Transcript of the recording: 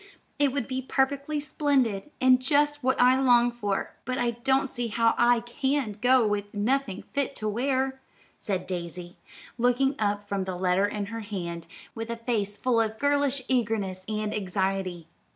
"It would be perfectly splendid, and just what I long for, but I don't see how I can go with nothing fit to wear," said Daisy, looking up from the letter in her hand, with a face full of girlish eagerness and anxiety.